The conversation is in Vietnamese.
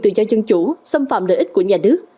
tự do dân chủ xâm phạm lợi ích của nhà nước